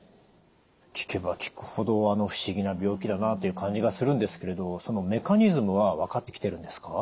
聞けば聞くほど不思議な病気だなという感じがするんですけれどそのメカニズムは分かってきてるんですか？